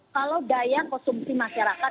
kalau daya konsumsi masyarakat